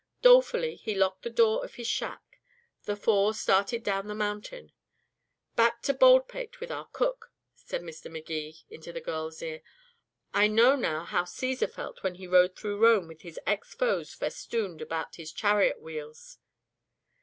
Dolefully he locked the door of his shack. The four started down the mountain. "Back to Baldpate with our cook," said Mr. Magee into the girl's ear. "I know now how Cæsar felt when he rode through Rome with his ex foes festooned about his chariot wheels."